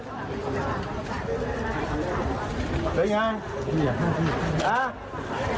เป็นไง